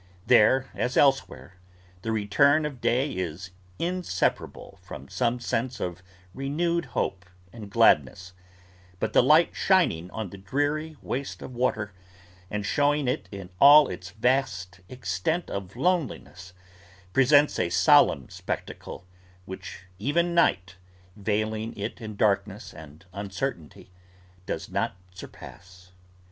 There, as elsewhere, the return of day is inseparable from some sense of renewed hope and gladness; but the light shining on the dreary waste of water, and showing it in all its vast extent of loneliness, presents a solemn spectacle, which even night, veiling it in darkness and uncertainty, does not surpass.